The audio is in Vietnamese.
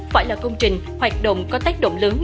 phải là công trình hoạt động có tác động lớn